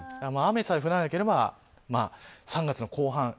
雨さえ降らなければ３月の後半。